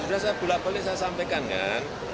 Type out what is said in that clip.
sudah saya bolak balik saya sampaikan kan